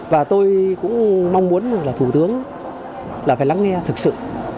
và tôi cũng mong muốn là thủ tướng là phải lắng nghe thực sự